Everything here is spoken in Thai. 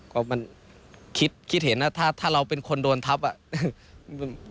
ก็มันคิดคิดเห็นนะถ้าเราเป็นคนโดนทับอ่ะ